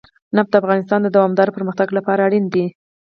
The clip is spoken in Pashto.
نفت د افغانستان د دوامداره پرمختګ لپاره اړین دي.